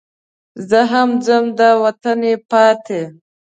زه هم ځم دا وطن یې پاتې.